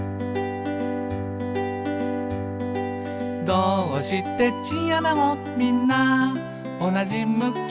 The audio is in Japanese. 「どーうしてチンアナゴみんなおなじ向き？」